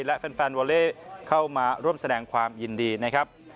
และแฟนวอเล่เข้ามาร่วมแสดงความยินดีนะครับ